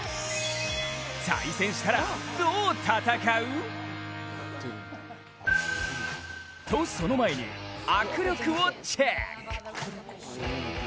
対戦したら、どう戦う？と、その前に握力をチェック。